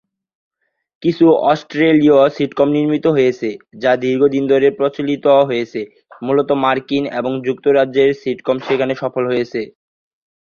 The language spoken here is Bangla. কিছু অস্ট্রেলীয় সিটকম নির্মিত হয়েছে যা দীর্ঘদিন ধরে পরিচালিত হয়েছে; মূলত মার্কিন এবং যুক্তরাজ্যের সিটকম সেখানে সফল হয়েছে।